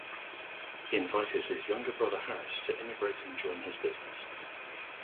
He invited his younger brother Harris to immigrate and join his business.